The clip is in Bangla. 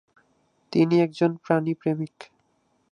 তিনি একজন প্রাণী প্রেমিক।